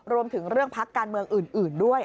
รวมถึงเรื่องพักการเมืองอื่นด้วย